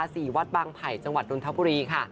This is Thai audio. สี่วัดบางไผ่จังหวัดนทบุรีค่ะ